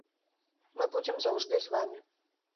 Мы будзем заўжды з вамі.